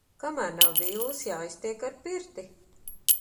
Kamēr nav villas, jāiztiek ar pirti.